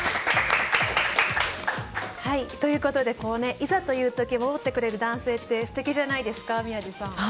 いざという時守ってくれる男性って素敵じゃないですか、宮司さん。